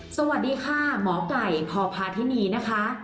สวัสดีค่ะหมอไก่พพาธินีนะคะ